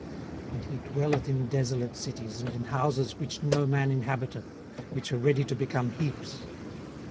18:015:028 And he dwelleth in desolate cities, and in houses which no man inhabiteth, which are ready to become heaps.